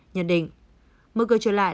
nhận định mở cửa trở lại